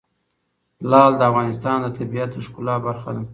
لعل د افغانستان د طبیعت د ښکلا برخه ده.